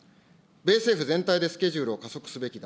米政府全体でスケジュールを加速すべき。